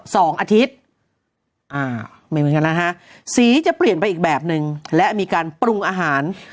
สองอาทิตย์อ่าไม่เหมือนกันนะฮะสีจะเปลี่ยนไปอีกแบบหนึ่งและมีการปรุงอาหาร